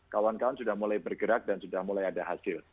kawan kawan sudah mulai bergerak dan sudah mulai ada hasil